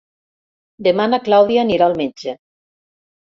Demà na Clàudia anirà al metge.